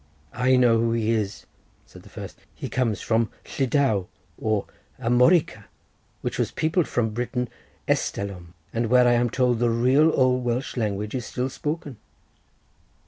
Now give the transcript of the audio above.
"I know who he is," said the first; "he comes from Llydaw, or Armorica, which was peopled from Britain estalom, and where I am told the real old Welsh language is still spoken."